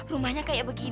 rumahnya kayak begini